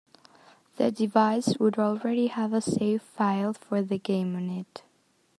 The device would already have a save file for the game on it.